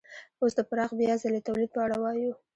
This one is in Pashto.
اوس د پراخ بیا ځلي تولید په اړه وایو